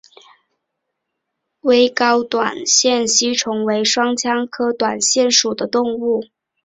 微睾短腺吸虫为双腔科短腺属的动物。